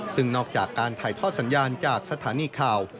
ซึ่งนอกจากการถ่ายทอดสัญญาณจากสถานีข่าว